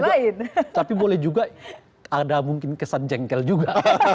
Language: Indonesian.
ya saya tidak tahu tapi boleh juga ada mungkin kesan jengkel juga